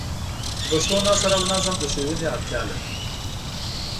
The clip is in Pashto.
د پښتو نثر او نظم د ښوونې اړتیا لري.